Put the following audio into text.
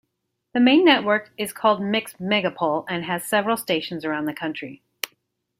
The main network is called Mix Megapol and has several stations around the country.